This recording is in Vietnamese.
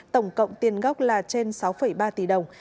tổng cộng tiền gốc là trên sáu ba tỷ đồng